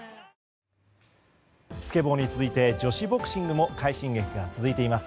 スケボーに続いて女子ボクシングも快進撃が続いています。